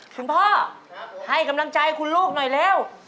คุณพ่อให้กำลังใจคุณลูกหน่อยเร็ว